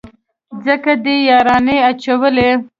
ځکه دې يارانې اچولي.